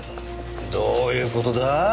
どういう事だ？